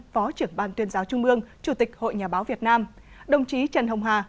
phó trưởng ban tuyên giáo trung mương chủ tịch hội nhà báo việt nam đồng chí trần hồng hà